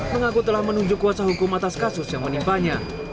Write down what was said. mengaku telah menunjuk kuasa hukum atas kasus yang menimpanya